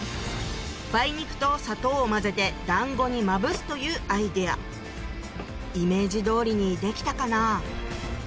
梅肉と砂糖を混ぜてだんごにまぶすというアイデアイメージ通りにできたかな？